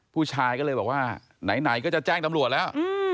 ผู้ชายก็เลยบอกว่าไหนก็จะแจ้งตำรวจแล้ว